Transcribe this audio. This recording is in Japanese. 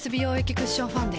クッションファンデ